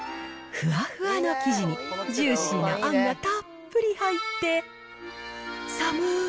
ふわふわの生地に、ジューシーなあんがたっぷり入って、寒ーい